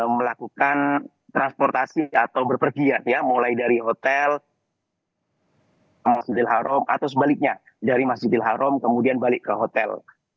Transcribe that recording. melakukan transportasi atau berpergian ya mulai dari hotel masjidil haram atau sebaliknya dari masjidil haram kemudian balik ke hotel